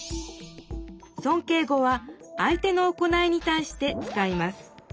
そんけい語は相手の行いにたいして使います。